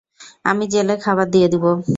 আমি জেলে খাবার দিয়ে দিবো।